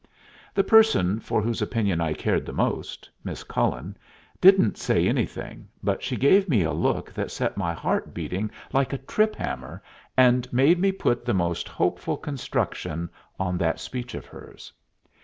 The person for whose opinion I cared the most Miss Cullen didn't say anything, but she gave me a look that set my heart beating like a trip hammer and made me put the most hopeful construction on that speech of hers.